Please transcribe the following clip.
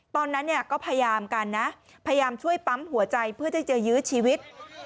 ตอนนั้นเนี่ยก็พยายามกันนะพยายามช่วยปั๊มหัวใจเพื่อที่จะยื้อชีวิต